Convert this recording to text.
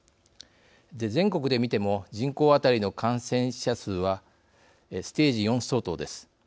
全国で見ても人口あたりの感染者数はステージ４相当です。